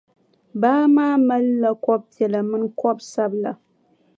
Baa maa malila kɔbʼ piɛla mini kɔbʼ sabila.